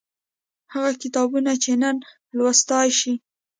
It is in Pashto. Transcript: هغه کتابونه چې نن لوستلای شئ